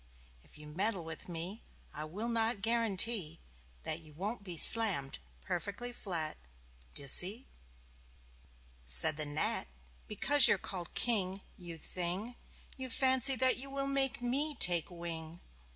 If you meddle with me I will not guarantee That you won't be slammed perfectly flat D'ye see?" Said the Gnat: "Because you're called King you thing! You fancy that you will make me take wing.